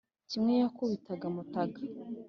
Nk’imwe yakubitaga Mutaga,